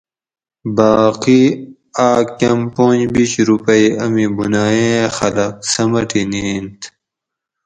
باقی آۤک کۤم پنج بِیش روپئی امی بناییں خلق سۤمٹی نئینت